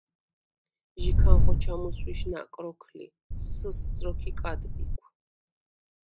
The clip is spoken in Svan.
ჟიქან ხოჩა მუსვიშ ნაკ როქ ლი: “სსჷს” როქ იკად ბიქვ.